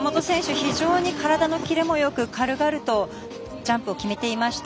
非常に体のキレもよく軽々とジャンプを決めていました。